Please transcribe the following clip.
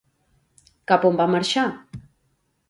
Cap a on va marxar?